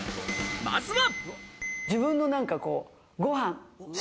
まずは。